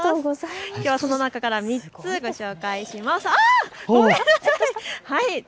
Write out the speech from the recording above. きょうはその中から３つご紹介します。